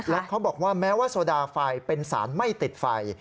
แล้วเขาบอกว่าแม้ว่าโซดาไฟเป็นสารไม่ติดไฟ